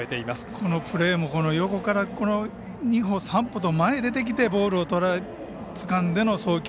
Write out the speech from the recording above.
このプレーも横から２歩３歩と出てきてボールを捉えての送球。